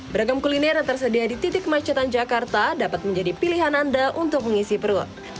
beragam kuliner yang tersedia di titik kemacetan jakarta dapat menjadi pilihan anda untuk mengisi perut